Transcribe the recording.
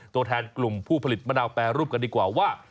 ตัวแทนกลุ่มผู้ผลิตมะนาวแปรรูปกันดีกว่าว่า